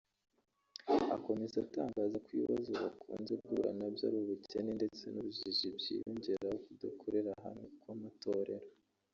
Akomeza atangaza ko ibibazo bakunze guhura na byo ari ubukene ndetse n’ubujiji byiyongeraho kudakorera hamwe kw’amatorero